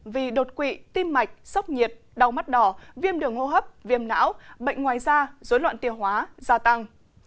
vì đột quỵ tim mạch sốc nhiệt đau mắt đỏ viêm đường hô hấp viêm não bệnh ngoài da dối loạn tiêu hóa gia tăng